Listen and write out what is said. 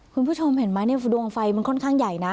คุณผู้ชมเห็นไหมเนี่ยดวงไฟมันค่อนข้างใหญ่นะ